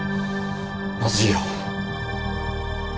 まずいよ。